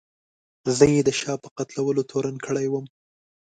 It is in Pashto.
زه یې د شاه په قتلولو تورن کړی وم.